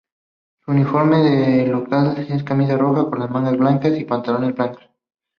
Su uniforme de local es camisa roja con las mangas blancas y pantalones blancos.